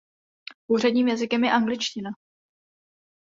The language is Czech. Úředním jazykem je angličtina.